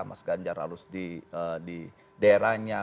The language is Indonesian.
mas ganjar harus di daerahnya